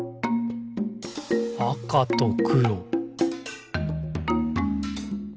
「あかとくろ」